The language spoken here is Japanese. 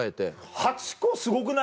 ８個すごくない？